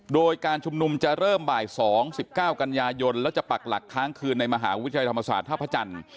โดยการชุมนุมจะเริ่มบ่าย๒๑๙กันยายนแล้วจะปักหลักค้างคืนในมหาวิทยาลัยธรรมศาสตร์ท่าพระจันทร์